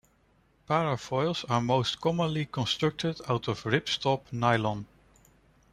Parafoils are most commonly constructed out of ripstop nylon.